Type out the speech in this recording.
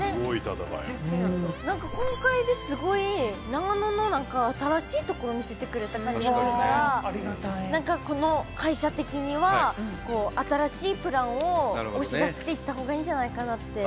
何か今回ですごい長野の新しいとこを見せてくれた感じがするから何かこの会社的には新しいプランを押し出していったほうがいいんじゃないかなって。